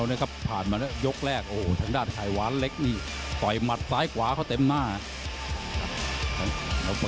ไปตามยกที่สองครับ